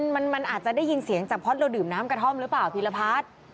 มันอาจจะได้ยินเสียงจากเพราะเราดื่มน้ำกระท่อมหรือเปล่าพีรพัฒน์